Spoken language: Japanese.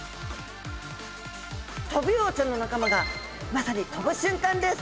トビウオちゃんの仲間がまさに飛ぶ瞬間です！